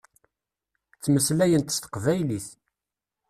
Ttmeslayent s teqbaylit.